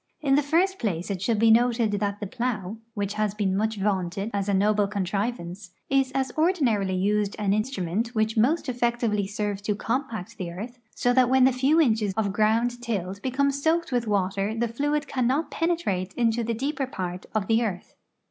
In the first place it should be noted that the plow, which has been much vaunted as a noble contrivance, is as ordinarily used an instrument which most effectivel}" serves to compact the earth, so that when the few inches of ground tilled become soaked with water the fluid cannot penetrate into the deeper part of the earth.